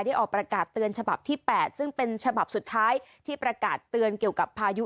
ออกประกาศเตือนฉบับที่๘ซึ่งเป็นฉบับสุดท้ายที่ประกาศเตือนเกี่ยวกับพายุ